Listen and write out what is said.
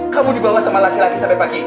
kamu dibawa sama laki laki sampai pagi